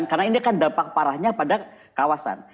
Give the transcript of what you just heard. karena ini kan dampak parahnya pada kawasan